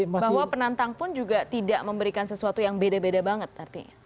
bahwa penantang pun juga tidak memberikan sesuatu yang beda beda banget artinya